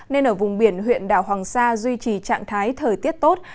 nên ở vùng biển huyện đảo hoàng sa duy trì trạng thái thời tiết tốt